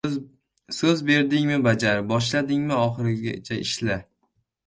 • So‘z berdingmi — bajar, boshladingmi — oxirigacha ishla.